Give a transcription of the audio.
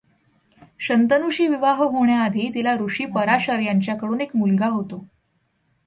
शंतनूशी विवाह होण्याआधी तिला ऋषी पराशर यांच्याकडून एक मुलगा होतो.